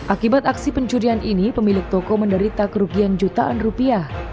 akibat aksi pencurian ini pemilik toko menderita kerugian jutaan rupiah